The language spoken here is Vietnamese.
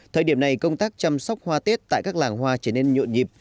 thời điểm này công tác chăm sóc hoa tết tại các làng hoa trở nên nhộn nhịp